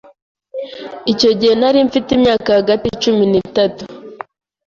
icyo gihe nari mfite imyaka hagati cumi nitatu